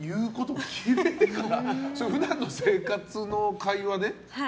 普段の生活の会話で？